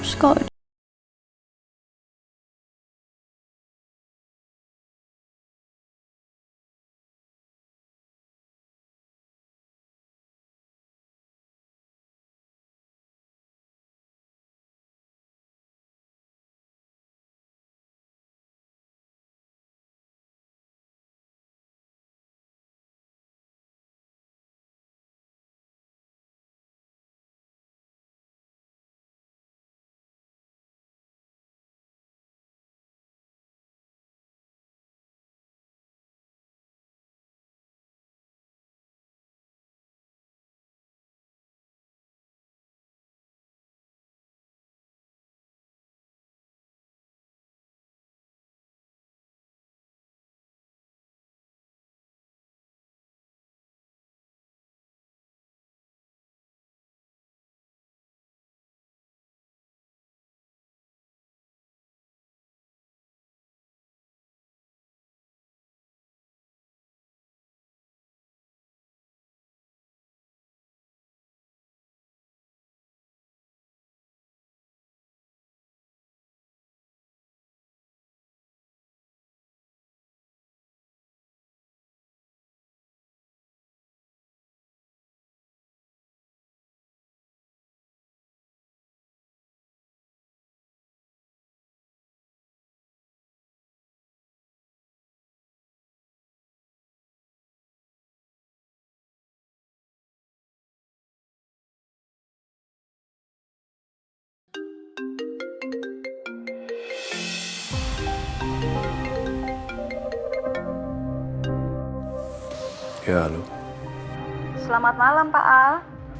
selamat malam pak al